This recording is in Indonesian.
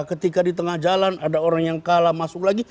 ketika di tengah jalan ada orang yang kalah masuk lagi